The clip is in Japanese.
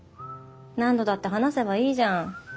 何度だって話せばいいじゃん。